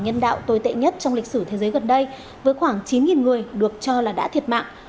nhân đạo tồi tệ nhất trong lịch sử thế giới gần đây với khoảng chín người được cho là đã thiệt mạng